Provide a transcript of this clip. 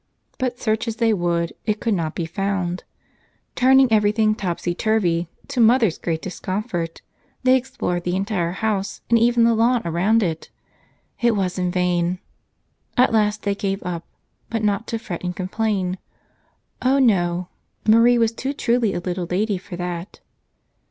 But search as they would, it could not be found. Turning everything topsy turvy — to mother's great dis¬ comfort — they explored the entire house and even the lawn around it. It was in vain. At last they gave up, but not to fret and complain. Oh, no; Marie was too truly a little lady for that.